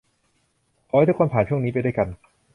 ขอให้ทุกคนผ่านช่วงนี้ไปด้วยกัน